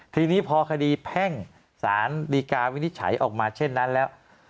ทีนี้พอคดีแพ่งสารดีกาวินิจฉัยออกมาเช่นนั้นแล้ว